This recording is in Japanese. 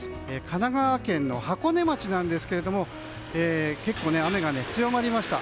神奈川県の箱根町なんですが結構雨が強まりました。